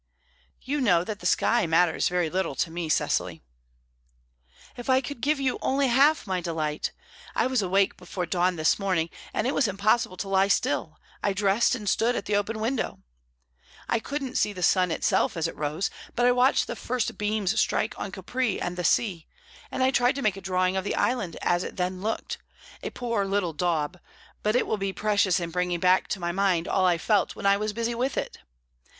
"You know that the sky matters very little to me, Cecily." "If I could give you only half my delight! I was awake before dawn this morning, and it was impossible to lie still. I dressed and stood at the open window. I couldn't see the sun itself as it rose, but I watched the first beams strike on Capri and the sea; and I tried to make a drawing of the island as it then looked, a poor little daub, but it will be precious in bringing back to my mind all I felt when I was busy with it.